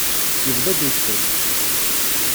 Yebda-d wedfel.